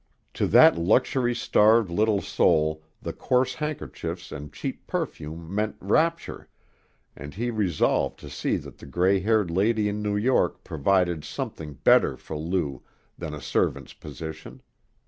To that luxury starved little soul the coarse handkerchiefs and cheap perfume meant rapture, and he resolved to see that the gray haired lady in New York provided something better for Lou than a servant's position.